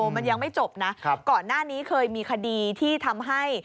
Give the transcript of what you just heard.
มันยังไม่จบนะก่อนหน้านี้เคยมีคดีที่ทำให้